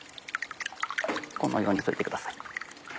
このように溶いてください。